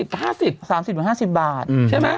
ใช่ไหม